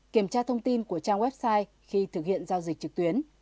kiểm tra thông tin của trang website khi thực hiện giao dịch trực tuyến